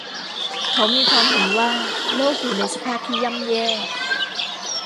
เขามีความเห็นว่าโลกอยู่ในสภาพที่ย่ำแย่